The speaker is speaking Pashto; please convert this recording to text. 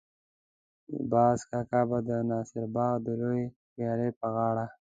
باز کاکا به د ناصر باغ د لویې ويالې پر غاړه.